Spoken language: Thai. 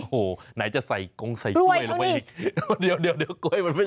โอ้โฮไหนจะใส่กรงใส้กล้วยลงไปอีกเดี๋ยวกล้วยมันไม่เห็น